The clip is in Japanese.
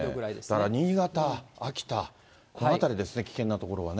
だから、新潟、秋田、この辺りですね、危険な所はね。